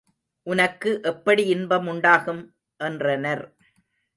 உனக்கு எப்படி இன்பம் உண்டாகும்? என்றனர்.